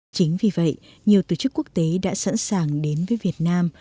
chính vì vậy nhiều tổ chức quốc tế đã sẵn sàng đến với việt nam